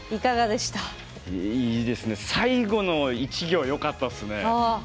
最後の１行、よかったっすね。